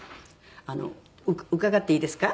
あの伺っていいですか？